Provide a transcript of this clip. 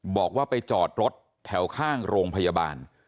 บอกว่าไปจอดรถแถวข้างโรงพยาบาล